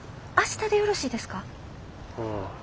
明日でよろしいですか？